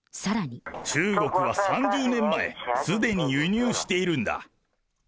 中国は３０年前、すでに輸入しているんだ。